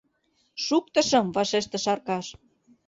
— Шуктышым, — вашештыш Аркаш.